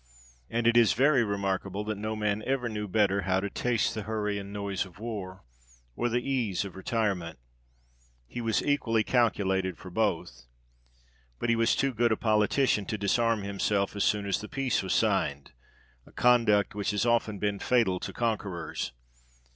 And it is very remarkable that no man ever knew better how to taste the hurry and noise of war, or the ease of retire ment. He was equally calculated for both. But he was too good a politician to disarm himself as soon as the peace was signed a conduct which has often been fatal to conquerors.